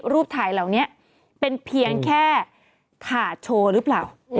รูปถ่ายเหล่านี้เป็นเพียงแค่ขาดโชว์หรือเปล่า